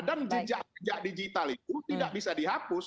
dan jejak jejak digital itu tidak bisa dihapus